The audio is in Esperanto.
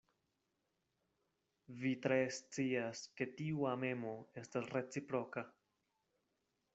Vi tre scias, ke tiu amemo estas reciproka.